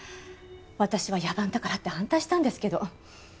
私は野蛮だからって反対したんですけど。